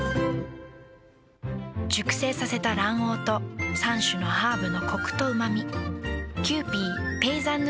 熟成させた卵黄と３種のハーブのコクとうま味。